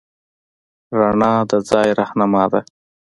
رڼا د ځای رهنما ده.